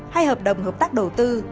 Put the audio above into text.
hay hợp đồng hợp tác đầu tư